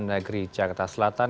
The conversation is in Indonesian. negeri jakarta selatan